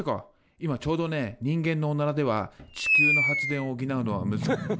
今ちょうどね人間のオナラでは地球の発電を補うのはむずか。